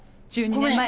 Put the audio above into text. １２年前」。